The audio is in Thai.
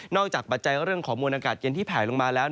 ปัจจัยเรื่องของมวลอากาศเย็นที่แผลลงมาแล้ว